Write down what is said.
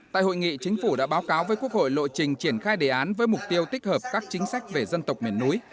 tại hội nghị chính phủ đã báo cáo với quốc hội lộ trình triển khai đề án với mục tiêu tích hợp các chính sách về dân tộc miền núi